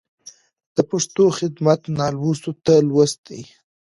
د پښتو خدمت نالوستو ته لوست دی.